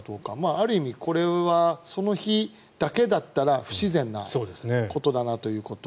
ある意味、これはその日だけだったら不自然なことだなということ。